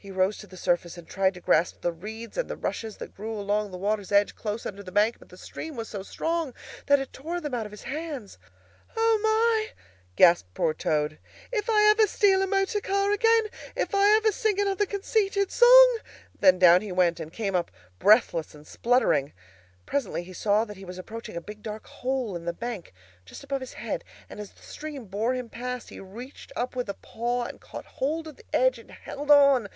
He rose to the surface and tried to grasp the reeds and the rushes that grew along the water's edge close under the bank, but the stream was so strong that it tore them out of his hands. "O my!" gasped poor Toad, "if ever I steal a motor car again! If ever I sing another conceited song"—then down he went, and came up breathless and spluttering. Presently he saw that he was approaching a big dark hole in the bank, just above his head, and as the stream bore him past he reached up with a paw and caught hold of the edge and held on.